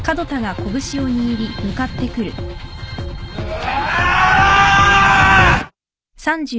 うわ！